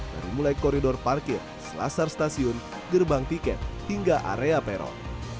dari mulai koridor parkir selasar stasiun gerbang tiket hingga area peron